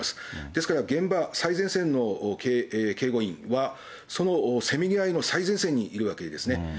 ですから、現場、最前線の警護員はそのせめぎ合いの最前線にいるわけですね。